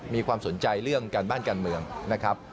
มีความสนใจเรื่องการบ้านการเมืองนะครับ